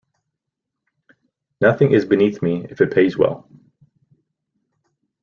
Nothing is beneath me if it pays well.